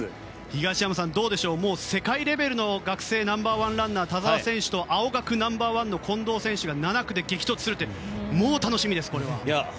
東山さん、もう世界レベルの学生ナンバー１ランナーの田澤選手と青学ナンバー１の近藤選手が７区で激突するって楽しみです、これは。